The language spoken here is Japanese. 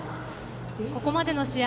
ここまでの試合